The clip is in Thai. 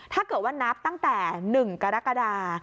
ถ้าเกิดว่านับตั้งแต่๑กรกฎา